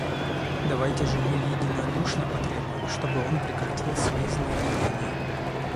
Давайте же мы единодушно потребуем, чтобы он прекратил свои злодеяния.